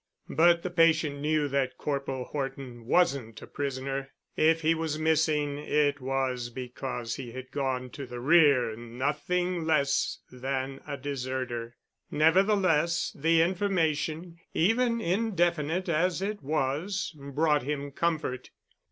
But the patient knew that Corporal Horton wasn't a prisoner. If he was missing, it was because he had gone to the rear—nothing less than a deserter. Nevertheless the information, even indefinite as it was, brought him comfort.